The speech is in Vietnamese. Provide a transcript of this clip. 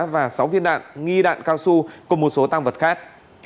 và sáu viên đạn nghi đạn cao su cùng một số tăng vật khác